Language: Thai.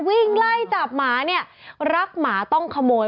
วิ่งไล่จับหมาเนี่ยรักหมาต้องขโมย